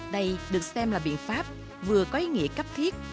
đây được xem là biện pháp vừa có ý nghĩa cấp thiết